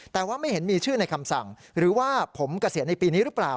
แต่ว่าไม่เห็นมีชื่อในคำสั่งหรือว่าผมเกษียณในปีนี้หรือเปล่า